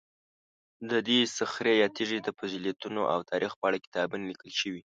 د دې صخرې یا تیږې د فضیلتونو او تاریخ په اړه کتابونه لیکل شوي.